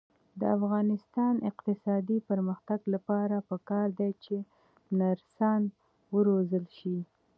د افغانستان د اقتصادي پرمختګ لپاره پکار ده چې نرسان وروزل شي.